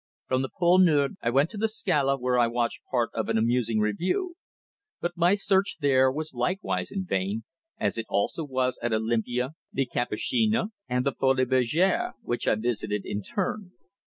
From the Pole Nord I went to the Scala, where I watched part of an amusing revue; but my search there was likewise in vain, as it was also at Olympia, the Capucines, and the Folies Bergères, which I visited in turn.